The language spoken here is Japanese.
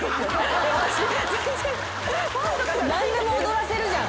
何でも踊らせるじゃん。